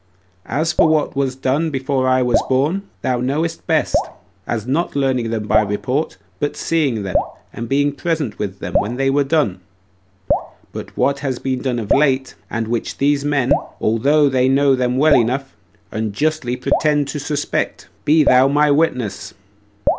As for what was done before I was born, thou knowest best, as not learning them by report, but seeing them, and being present with them when they were done; but for what has been done of late, and which these men, although they know them well enough, unjustly pretend to suspect, be thou my witness.